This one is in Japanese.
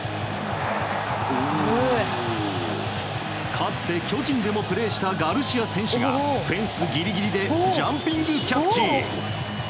かつて巨人でもプレーしたガルシア選手がフェンスギリギリでジャンピングキャッチ！